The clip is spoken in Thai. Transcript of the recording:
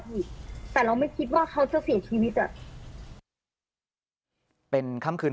พอหลุดออกมาปุ๊บ